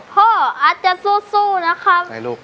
พ่ออาจจะสู้นะครับ